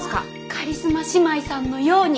カリスマ姉妹さんのようにお二人で。